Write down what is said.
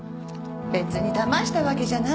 別にだましたわけじゃないのよ。